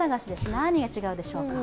何が違うでしょう。